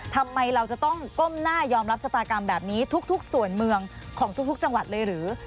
ทำไมเราจะต้องก้มหน้ายอมรับชะตากรรมแบบนี้ทุกส่วนเมืองของทุกจังหวัดเลยหรือ